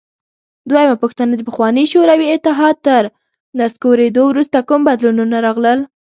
دویمه پوښتنه: د پخواني شوروي اتحاد تر نسکورېدو وروسته کوم بدلونونه راغلل؟